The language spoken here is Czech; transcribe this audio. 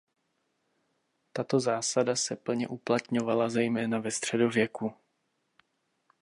Tato zásada se plně uplatňovala zejména ve středověku.